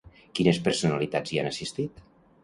Quines personalitats hi han assistit?